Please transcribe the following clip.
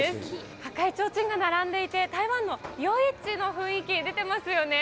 赤い提灯が並んでいて、台湾の夜市の雰囲気出ていますよね。